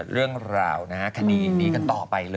เรื่องราวนะฮะคดีนี้กันต่อไปเลย